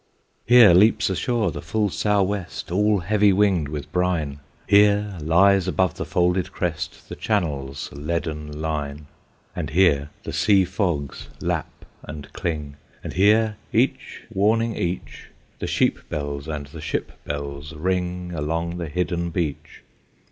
Here leaps ashore the full Sou'west All heavy winged with brine, Here lies above the folded crest The Channel's leaden line; And here the sea fogs lap and cling, And here, each warning each, The sheep bells and the ship bells ring Along the hidden beach.